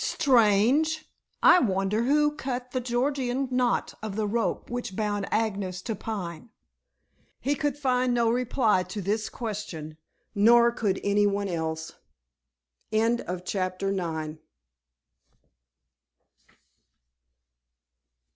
"Strange. I wonder who cut the Gordian knot of the rope which bound Agnes to Pine?" He could find no reply to this question, nor could any one else. CHAPTER X. A DIFFICULT POSITION. Lo